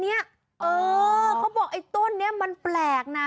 เนี้ยเค้าบอกต้นเนี้ยมันแปลกน่ะ